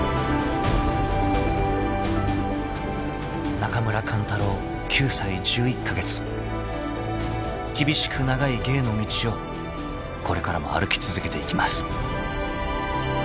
［中村勘太郎９歳１１カ月厳しく長い芸の道をこれからも歩き続けていきます］